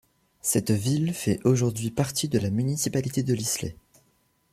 Cette ville fait aujourd’hui partie de la municipalité de L'Islet.